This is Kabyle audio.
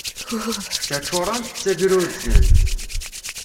D taččurant d tagrurzant.